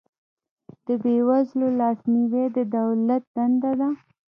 د بې وزلو لاسنیوی د دولت دنده ده